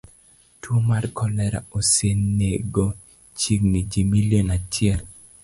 Tuo mar kolera osenego chiegni ji milion achiel.